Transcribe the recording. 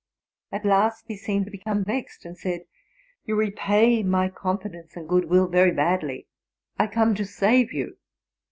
At last he seemed to become vexed, and said, You repay my confidence and good will very badly : I' come to save you.